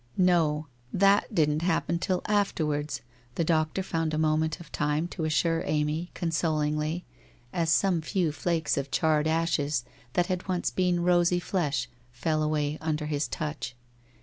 'No. That didn't happen till afterwards/ the doctor found a moment of time to assure Amy, consolingly, as some few flakes of charred ashes that had once been rosy flesh fell away under his touch.